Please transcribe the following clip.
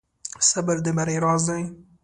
صبر د بری راز دی.